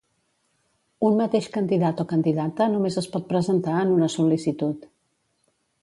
Un mateix candidat o candidata només es pot presentar en una sol·licitud.